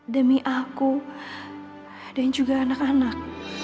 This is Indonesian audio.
demi aku dan juga anak anak